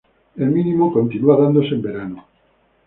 El mínimo continúa dándose en verano.